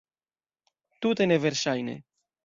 Tute neverŝajne!